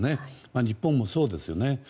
日本もそうですよね。